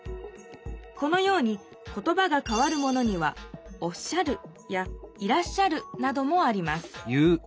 このように言ばがかわるものには「おっしゃる」や「いらっしゃる」などもあります。